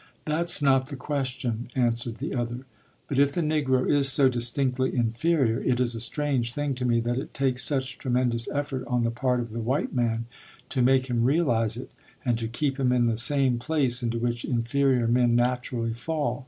"That's not the question," answered the other, "but if the Negro is so distinctly inferior, it is a strange thing to me that it takes such tremendous effort on the part of the white man to make him realize it, and to keep him in the same place into which inferior men naturally fall.